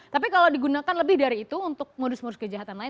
tapi kalau digunakan lebih dari itu untuk modus modus kejahatan lain